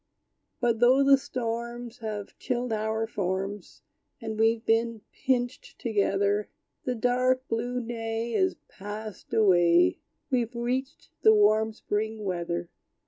But though the storms Have chilled our forms, And we've been pinched together, The dark, blue day Is passed away; We've reached the warm spring weather!